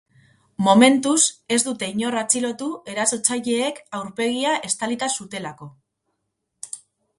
Momentuz, ez dute inor atxilotu erasotzaileek aurpegia estalita zutelako.